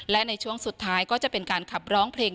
และในช่วงสุดท้ายก็จะเป็นการขับร้องเพลง